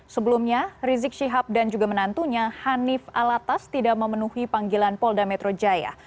sebelumnya rizik syihab dan juga menantunya hanif alatas tidak memenuhi panggilan polda metro jaya